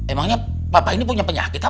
emangnya bapak ini punya penyakit apa